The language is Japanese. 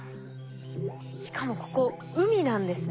しかもここ海なんですね。